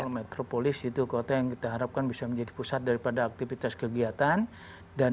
metropolis itu kota yang kita harapkan bisa menjadi pusat daripada aktivitas kegiatan dan